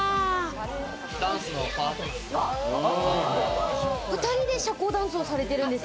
ダンスのパートナーです。